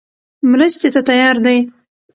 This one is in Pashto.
مرستې ته تیار دی.